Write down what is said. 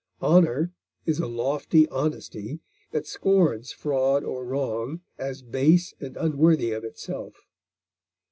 Honor is a lofty honesty that scorns fraud or wrong as base and unworthy of itself.